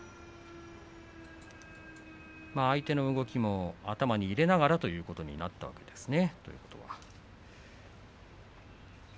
相手の動きを頭に入れながらということになったわけですね。